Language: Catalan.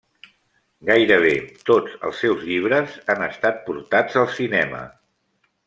Gairebé tots els seus llibres han estat portats al cinema.